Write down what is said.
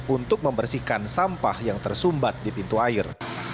untuk membersihkan sampah yang tersumbat di pintu air